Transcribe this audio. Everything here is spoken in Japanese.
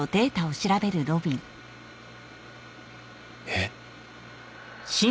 えっ？